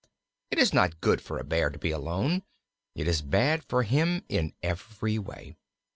It is not good for a Bear to be alone; it is bad for him in every way.